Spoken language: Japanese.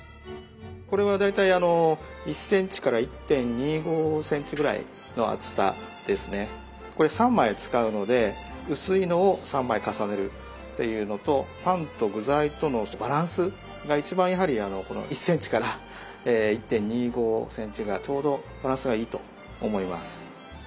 これは大体あのこれ３枚使うので薄いのを３枚重ねるっていうのとパンと具材とのバランスが一番やはりこの１ｃｍから１．２５ｃｍがちょうどバランスがいいと思います。